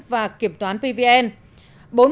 và kiểm toán pvn